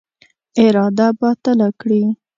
اراده باطله کړي.